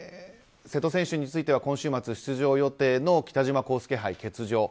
瀬戸選手については今週末に出場予定の北島康介杯を欠場。